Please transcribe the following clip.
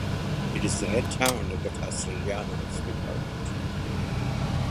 It is the head town of the Castellanos Department.